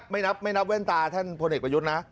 ไม่นับแว่นตาท่านพลเอกประยุทธ์นะ